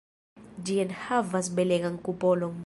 Ĝi enhavas belegan kupolon.